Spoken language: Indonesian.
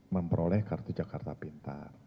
memperoleh kartu jakarta pintar